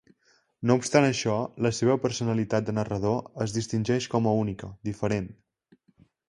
No obstant això, la seva personalitat de narrador es distingeix com a única, diferent.